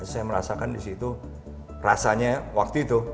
saya merasakan disitu rasanya waktu itu